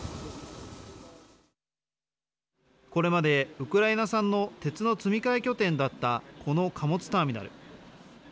これまでウクライナ産の鉄の積み替え拠点だったこの貨物ターミナル。